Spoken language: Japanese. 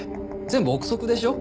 全部臆測でしょ？